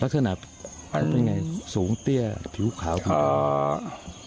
แล้วเธอนับเป็นยังไงสูงเตี้ยผิวขาวผิวเตี้ย